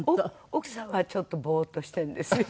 奥さんはちょっとぼーっとしてるんですよ。